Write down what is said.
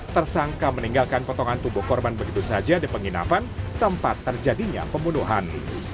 tersangka meninggalkan potongan tubuh korban begitu saja di penginapan tempat terjadinya pembunuhan